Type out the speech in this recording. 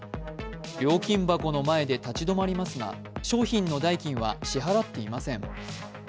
料金箱の前で立ち止まりますが商品の代金は支払っていません。